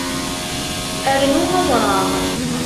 Rnu awṛaɣ